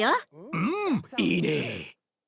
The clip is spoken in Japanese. うんいいね！